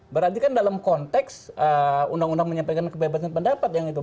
berarti kan dalam konteks undang undang menyampaikan kebebasan pendapat yang itu